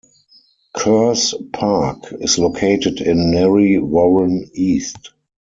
Kerrs Park is located in Narre Warren East.